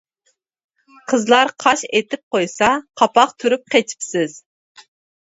قىزلار قاش ئېتىپ قويسا، قاپاق تۈرۈپ قېچىپسىز.